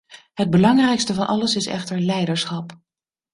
Het belangrijkste van alles is echter leiderschap.